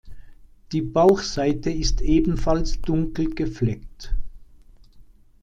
Die Bauchseite ist ebenfalls dunkel gefleckt.